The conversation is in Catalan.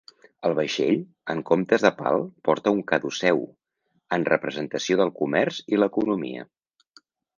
El vaixell, en comptes de pal porta un caduceu, en representació del comerç i l'economia.